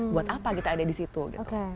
buat apa kita ada di situ gitu